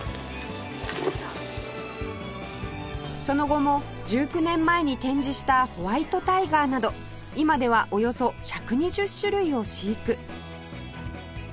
その後も１９年前に展示したホワイトタイガーなど今ではおよそ１２０種類を飼育